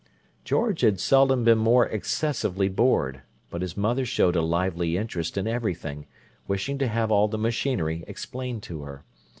George had seldom been more excessively bored, but his mother showed a lively interest in everything, wishing to have all the machinery explained to her.